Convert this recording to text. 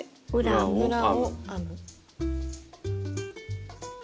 裏を編む。